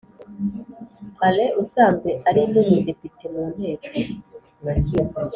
alain usanzwe ari n’umudepite mu nteko